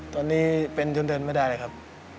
ตอนนี้เป็นจนเดินไม่ได้เลยครับ